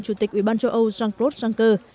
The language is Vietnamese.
chủ tịch ủy ban châu âu jean claude juncker